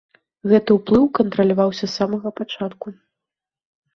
Гэты ўплыў кантраляваўся з самага пачатку.